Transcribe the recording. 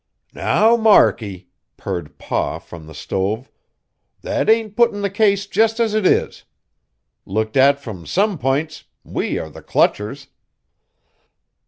"Now, Markie!" purred Pa from the stove, "that ain't puttin' the case jest as it is. Looked at from some p'ints, we are the clutchers."